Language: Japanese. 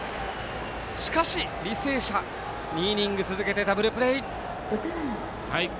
しかし、履正社２イニング続けてダブルプレー。